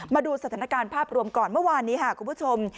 มาดูสถานการณ์ภาพรวมก่อนเมื่อวานนี้ค่ะคุณผู้ชม